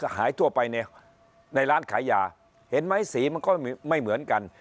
หายทั่วไปในร้านขายยาเห็นไหมสีมันก็ไม่เหมือนกัน